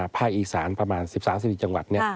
ภาคอีสานประมาณ๑๓๔จังหวัด